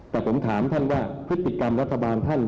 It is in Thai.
แต่ผมถามท่านว่าพฤติกรรมรัฐบาลท่าน